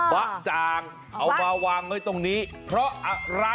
บ๊ะจ่างเอามาวางไว้ตรงนี้เพราะอะไร